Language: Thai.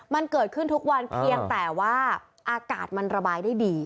มันเกิดขึ้นทุกวันเพียงแต่ว่าอากาศมันระบายได้ดี